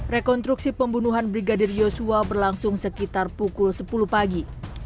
rekonstruksi pembunuhan brigadir yosua berlangsung sekitar pukul sepuluh pagi